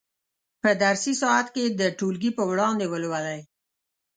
په درسي ساعت کې یې د ټولګي په وړاندې ولولئ.